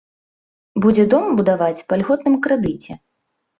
Будзе дом будаваць па льготным крэдыце.